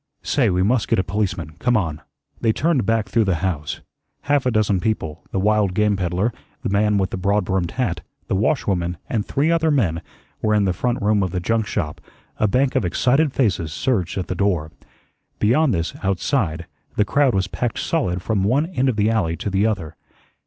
Say, we must get a policeman. Come on." They turned back through the house. Half a dozen people the wild game peddler, the man with the broad brimmed hat, the washwoman, and three other men were in the front room of the junk shop, a bank of excited faces surged at the door. Beyond this, outside, the crowd was packed solid from one end of the alley to the other.